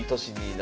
何？